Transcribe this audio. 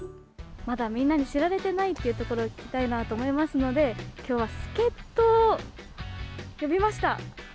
まだ、みんなに知られていないというところに行きたいなと思いますので今日は助っ人を呼びました。